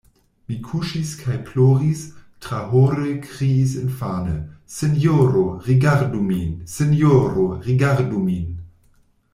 Mi kuŝis kaj ploris, trahore kriis infane: Sinjoro, rigardu min! Sinjoro, rigardu min!